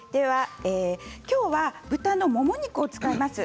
今日は豚のもも肉を使います。